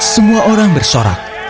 semua orang bersorak